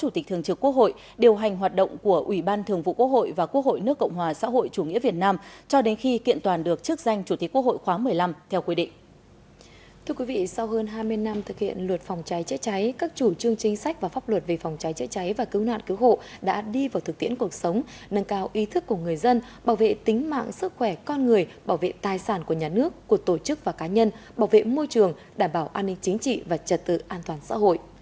thưa quý vị sau hơn hai mươi năm thực hiện luật phòng cháy chữa cháy các chủ trương chính sách và pháp luật về phòng cháy chữa cháy và cứu nạn cứu hộ đã đi vào thực tiễn cuộc sống nâng cao ý thức của người dân bảo vệ tính mạng sức khỏe con người bảo vệ tài sản của nhà nước của tổ chức và cá nhân bảo vệ môi trường đảm bảo an ninh chính trị và trật tự an toàn xã hội